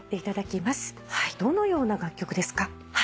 どのような楽曲ですか？